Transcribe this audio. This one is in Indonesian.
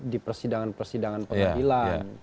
di persidangan persidangan peradilan